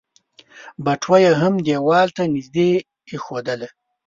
بټوه يې هم ديوال ته نږدې ايښودله.